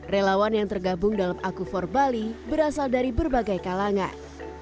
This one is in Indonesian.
relawan yang tergabung dalam aku for bali berasal dari berbagai kalangan